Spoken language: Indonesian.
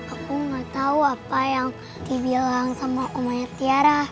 aku gak tau apa yang dibilang sama omahnya tiara